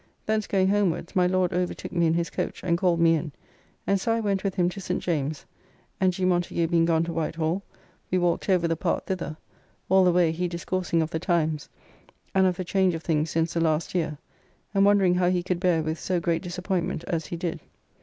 Thence going homewards, my Lord overtook me in his coach, and called me in, and so I went with him to St. James's, and G. Montagu being gone to White Hall, we walked over the Park thither, all the way he discoursing of the times, and of the change of things since the last year, and wondering how he could bear with so great disappointment as he did.